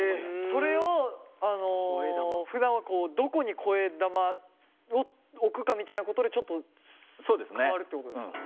それをふだんはどこに声玉を置くかみたいなことでちょっと変わるってことですか？